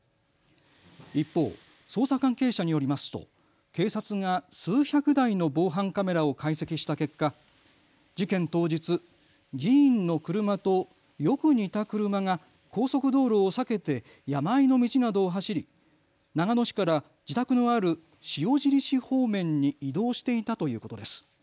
一方、捜査関係者によりますと警察が数百台の防犯カメラを解析した結果、事件当日、議員の車とよく似た車が高速道路を避けて山あいの道などを走り長野市から自宅のある塩尻市方面に移動していたということです。